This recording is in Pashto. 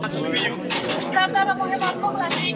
کتابتون ته تلل ښه عادت دئ.